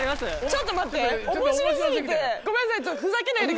⁉ちょっと待って。